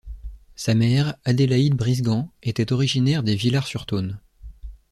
Sa mère, Adélaïde Brisgand, était originaire des Villards-sur-Thônes.